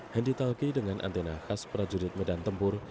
hendi talki dengan antena khas prajurit medan tempur